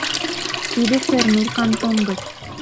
Тиде Шернур кантон гыч.